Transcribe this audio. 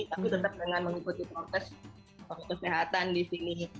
tapi tetap dengan mengikuti protes kesehatan di sini